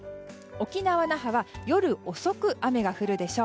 沖縄・那覇は夜遅く雨が降るでしょう。